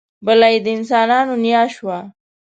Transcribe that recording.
بله یې د انسانانو نیا شوه.